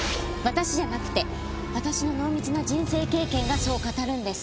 私じゃなくて私の濃密な人生経験がそう語るんです。